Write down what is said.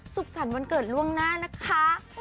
สุขสรรค์วันเกิดล่วงหน้านะคะ